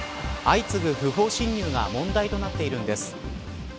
相次ぐ不法侵入が問題となっているんです。